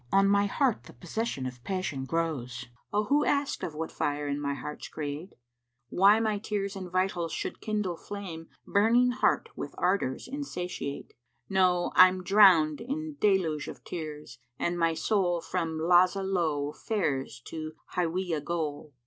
On my heart the possession of passion grows * O who ask of what fire in my heart's create, Why my tears in vitals should kindle flame, * Burning heart with ardours insatiate, Know, I'm drowned in Deluge[FN#557] of tears and my soul * From Lazá lowe fares to Háwiyah goal."